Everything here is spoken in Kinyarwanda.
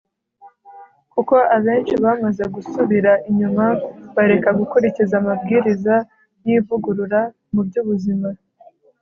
kuko abenshi bamaze gusubira inyuma bareka gukurikiza amabwiriza y'ivugurura mu by'ubuzima